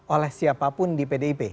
oleh siapapun di pdip